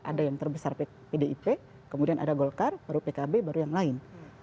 ada yang terbesar pdip kemudian ada golkar baru pkb baru yang lain